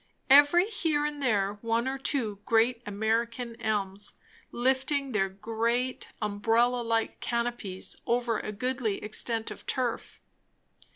Every here and there one or two great American elms, lifting their great umbrella like canopies over a goodly extent of turf.